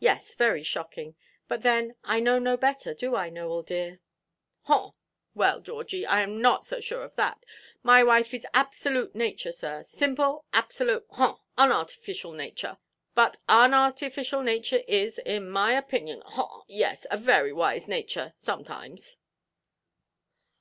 Yes, very shocking. But then I know no better, do I, Nowell, dear?" "Haw! Well, Georgie, I am not so sure of that. My wife is absolute nature, sir, simple, absolute—haw—unartificial nature. But unartificial nature is, in my opinion—haw—yes, a very wise nature, sometimes."